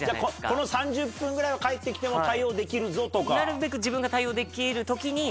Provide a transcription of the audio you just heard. この３０分ぐらいは返ってきても対応できるぞとか。